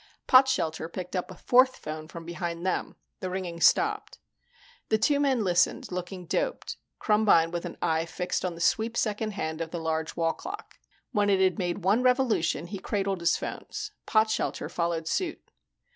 Potshelter picked up a fourth phone from behind them. The ringing stopped. The two men listened, looking doped, Krumbine with an eye fixed on the sweep second hand of the large wall clock. When it had made one revolution, he cradled his phones. Potshelter followed suit.